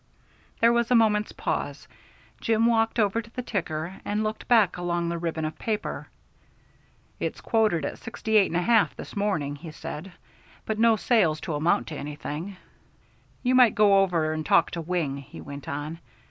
There was a moment's pause. Jim walked over to the ticker and looked back along the ribbon of paper. "It's quoted at 68 1/2 this morning," he said, "but no sales to amount to anything." "You might go over and talk to Wing," he went on.